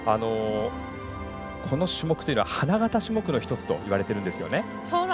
この種目というのは花形種目の１つといわれているんですよね。